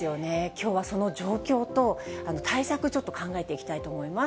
きょうは、その状況と対策、ちょっと考えていきたいと思います。